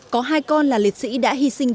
có hai con là liệt sĩ đã hy sinh trong cuộc đời